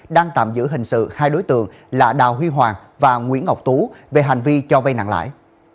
đang tạm giữ hình sự hai đối tượng là đào huy hoàng và nguyễn ngọc tú về hành vi cho vay nặng lãi